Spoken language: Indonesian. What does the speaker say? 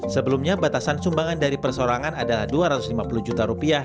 sebelumnya batasan sumbangan dari persorangan adalah dua ratus lima puluh juta rupiah